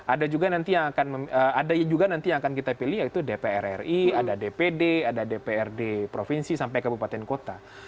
ada juga nanti yang akan kita pilih yaitu dpr ri ada dpd ada dprd provinsi sampai kabupaten kota